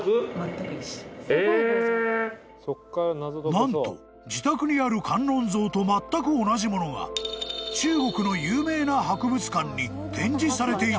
［何と自宅にある観音像とまったく同じものが中国の有名な博物館に展示されていたという］